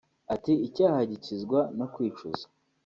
Ati “Icyaha gikizwa no kwicuza